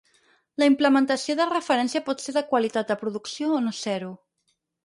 La implementació de referència pot ser de qualitat de producció o no ser-ho.